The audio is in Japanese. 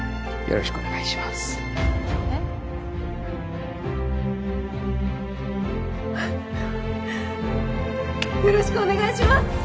よろしくお願いします！